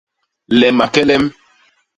Lema kelem.